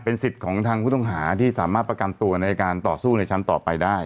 สิทธิ์ของทางผู้ต้องหาที่สามารถประกันตัวในการต่อสู้ในชั้นต่อไปได้